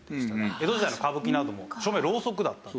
江戸時代の歌舞伎なども照明はろうそくだった。